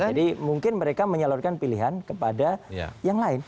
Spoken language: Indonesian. jadi mungkin mereka menyalurkan pilihan kepada yang lain